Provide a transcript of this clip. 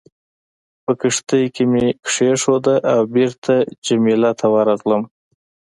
په کښتۍ کې مې کېښوده او بېرته جميله ته ورغلم.